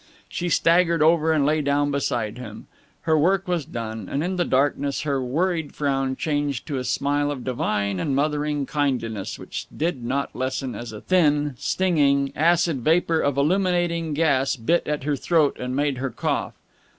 She staggered over and lay down beside him. Her work was done, and in the darkness her worried frown changed to a smile of divine and mothering kindliness which did not lessen as a thin, stinging, acid vapor of illuminating gas bit at her throat and made her cough.